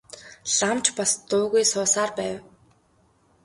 Лам ч бас дуугүй суусаар байв.